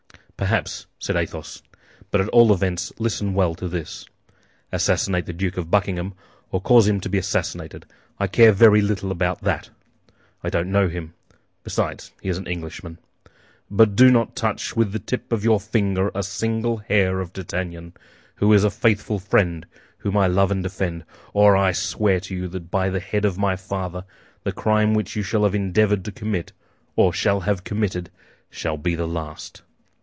"Perhaps," said Athos; "But at all events listen well to this. Assassinate the Duke of Buckingham, or cause him to be assassinated—I care very little about that! I don't know him. Besides, he is an Englishman. But do not touch with the tip of your finger a single hair of D'Artagnan, who is a faithful friend whom I love and defend, or I swear to you by the head of my father the crime which you shall have endeavored to commit, or shall have committed, shall be the last."